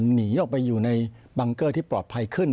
หนีออกไปอยู่ในบังเกอร์ที่ปลอดภัยขึ้น